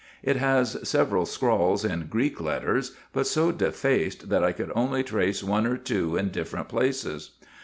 It has several scrawls in Greek letters, but so defaced that I could only trace one or two in different places.